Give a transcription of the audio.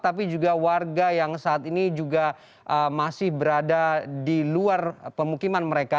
tapi juga warga yang saat ini juga masih berada di luar pemukiman mereka